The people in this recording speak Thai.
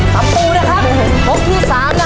ตามภูนะครับครบที่๓นะฮะ